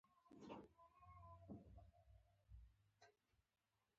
• شیدې د غړو د فعالیت په پراختیا کې مرسته کوي.